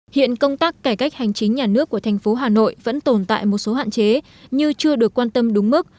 hiện công tác cải cách hành chính nhà nước của thành phố hà nội vẫn tồn tại một số hạn chế như chưa được quan tâm đúng mức